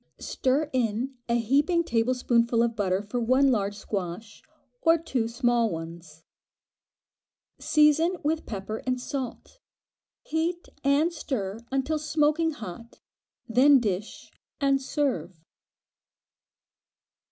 Stir in a heaping tablespoonful of butter for one large squash, or two small ones. Season with pepper and salt; heat and stir until smoking hot, then dish and serve.